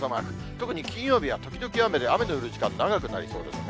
特に金曜日は時々雨で、雨降る時間、長くなりそうですね。